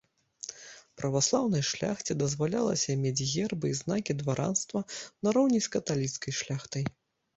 Праваслаўнай шляхце дазвалялася мець гербы і знакі дваранства нароўні з каталіцкай шляхтай.